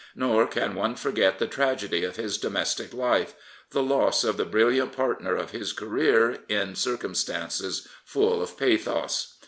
Nor can one forget the tragedy of his domestic life — the loss of the brilliant partner of his career in circumstances full of pathos.